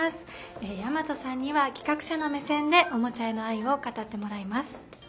大和さんには企画者の目線でおもちゃへの愛を語ってもらいます。